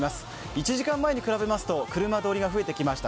１時間前に比べますと車通りが増えてきました。